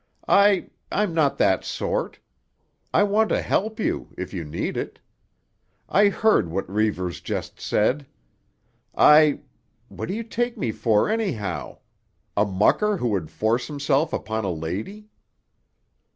I—I'm not that sort. I want to help you—if you need it. I heard what Reivers just said. I——What do you take me for, anyhow? A mucker who would force himself upon a lady?"